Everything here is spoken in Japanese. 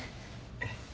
えっ？